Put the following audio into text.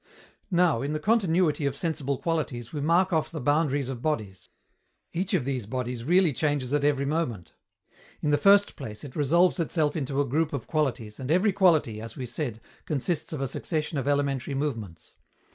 Now, in the continuity of sensible qualities we mark off the boundaries of bodies. Each of these bodies really changes at every moment. In the first place, it resolves itself into a group of qualities, and every quality, as we said, consists of a succession of elementary movements.